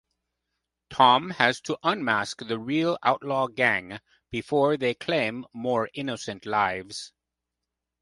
Tom has to unmask the real outlaw gang before they claim more innocent lives.